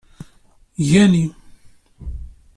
Gani.